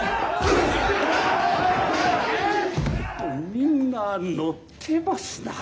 みんなノッてますな。